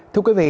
thưa quý vị